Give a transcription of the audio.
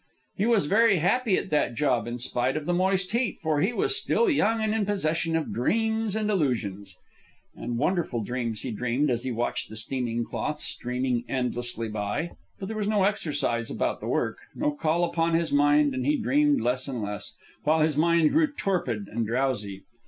He was very happy at that job, in spite of the moist heat, for he was still young and in possession of dreams and illusions. And wonderful dreams he dreamed as he watched the steaming cloth streaming endlessly by. But there was no exercise about the work, no call upon his mind, and he dreamed less and less, while his mind grew torpid and drowsy.